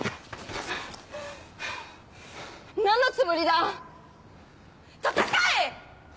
何のつもりだ⁉戦え！